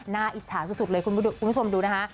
อิจฉาสุดเลยคุณผู้ชมดูนะคะ